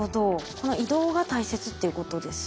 この移動が大切っていうことですね。